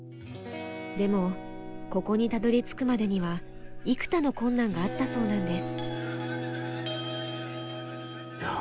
でもここにたどりつくまでには幾多の困難があったそうなんです。